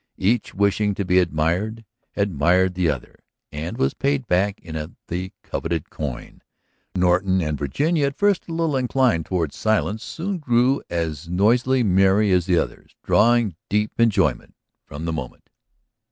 Each wishing to be admired, admired the other, and was paid back in the coveted coin. Norton and Virginia, at first a little inclined toward silence, soon grew as noisily merry as the others, drawing deep enjoyment from the moment.